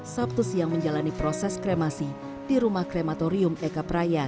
sabtu siang menjalani proses kremasi di rumah krematorium eka praya